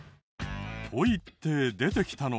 と言って出てきたのは。